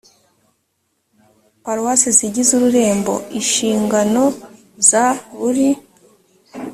paruwasi zigize ururembo ishingano za buri